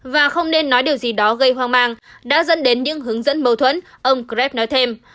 và không nên nói điều gì đó gây hoang mang đã dẫn đến những hướng dẫn mâu thuẫn ông greb nói thêm